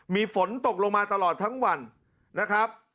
มีฝนตกลงมาตลอดทั้งวันนะครับ